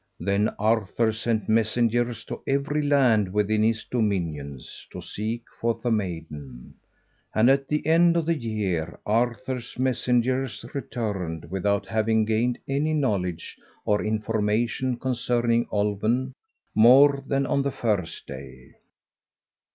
Then Arthur sent messengers to every land within his dominions to seek for the maiden; and at the end of the year Arthur's messengers returned without having gained any knowledge or information concerning Olwen more than on the first day.